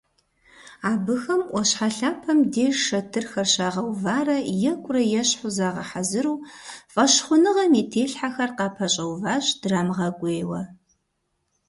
Абыхэм Ӏуащхьэ лъапэм деж шэтырхэр щагъэуварэ екӀурэ-ещхьу загъэхьэзыру, фӀэщхъуныгъэм и телъхьэхэр къапэщӀэуващ, драмыгъэкӀуейуэ.